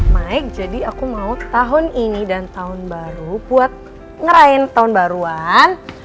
mike jadi aku mau tahun ini dan tahun baru buat ngerain tahun baruan